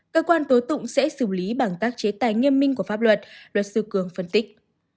cơ quan tố tụng sẽ xử lý bằng các chế tài nghiêm minh của pháp luật luật sư cường phân tích